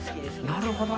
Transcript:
なるほど！